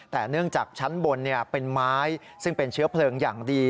แต่เนื่องจากชั้นบนเป็นไม้ซึ่งเป็นเชื้อเพลิงอย่างดี